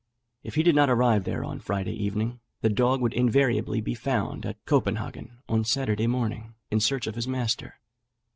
If he did not arrive there on the Friday evening, the dog would invariably be found at Copenhagen on Saturday morning, in search of his master.